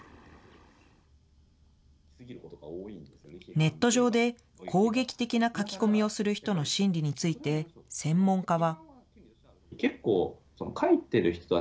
ネット上で攻撃的な書き込みをする人の心理について、専門家は。